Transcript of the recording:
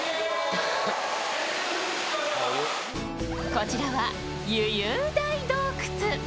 こちらは湯遊大洞窟。